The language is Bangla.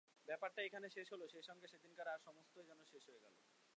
ব্যাপারটা এইখানে শেষ হল– সেইসঙ্গে সেদিনকার আর-সমস্তই যেন শেষ হয়ে গেল।